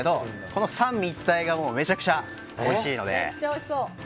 この三位一体がめちゃくちゃおいしいので。